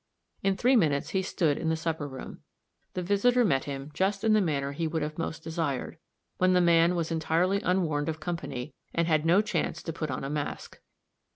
In three minutes he stood in the supper room. The visitor met him just in the manner he would have most desired when the man was entirely unwarned of company, and had no chance to put on a mask.